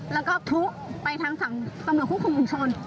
แล้วก็ทุกไปทางฝั่งตำรวจคุมผู้ชน